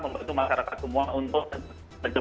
membantu masyarakat semua untuk